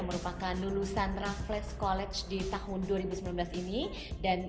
ini sangat nyaman orang orang sangat luar biasa para penduduk sangat baik dan guru guru sangat baik